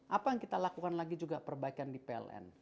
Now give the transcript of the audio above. apa yang kita lakukan lagi juga perbaikan di pln